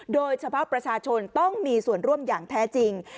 โดยเฉพาะประชาชนต้องมีส่วนร่วมอย่างแท้จริง